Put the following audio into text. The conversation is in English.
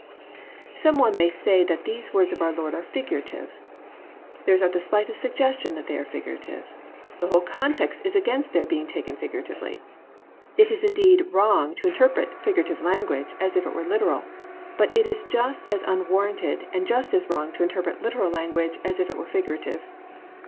"+ Some one may say that these words of our Lord are figurative. There is not the slightest suggestion that they are figurative. The whole context is against their being taken figuratively. It is indeed wrong to interpret figurative language as if it were literal, but it is just as unwarranted and just as wrong to interpret literal language as if it were figurative.